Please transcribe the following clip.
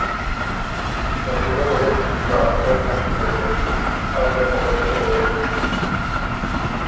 شکیله ل غوېکِن که آخر نک تيېکې از دل بُو خه جِکه غوېکِن